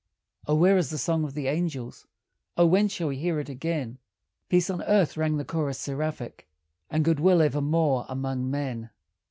O where is the song of the angels? O when shall we hear it again? "Peace on earth," rang the chorus seraphic, "And good will evermore among men."